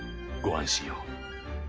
ご安心を。